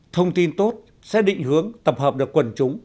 thông tin tốt sẽ định hướng tập hợp được quần chúng